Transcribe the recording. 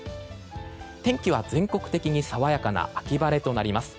天気は全国的に爽やかな秋晴れとなります。